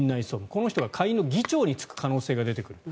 この人が下院の議長に就く可能性が出てくると。